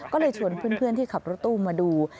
ก็เลยชวนเพื่อนที่ขับรถตู้มาดู